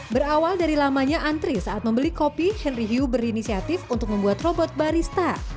berawal dari lamanya antri saat membeli kopi henry hyu berinisiatif untuk membuat robot barista